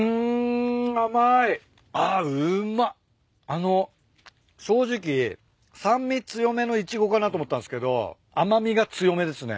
あの正直酸味強めのイチゴかなと思ったんすけど甘味が強めですね。